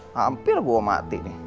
hampir gua mati